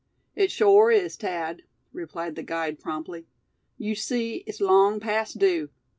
"It shore is, Thad," replied the guide, promptly. "Yew see, it's long past due.